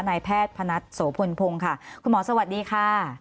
นายแพทย์พนัทโสพลพงศ์ค่ะคุณหมอสวัสดีค่ะ